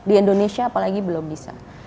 di indonesia apalagi belum bisa